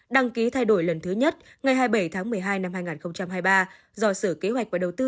đăng ký thay đổi lần thứ nhất ngày hai mươi bảy tháng một mươi hai năm hai nghìn hai mươi ba do sở kế hoạch và đầu tư